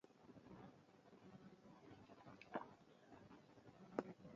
mar paro kaka ngima chalo to geng'o to tamre chunymarach, dhawoekindji, kuothkodparonejimarach